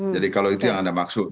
jadi kalau itu yang anda maksud